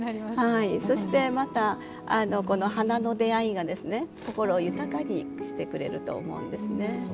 そして、花の出会いが心を豊かにしてくれると思うんですね。